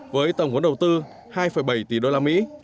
với tổng huấn đầu tư hai bảy tỷ usd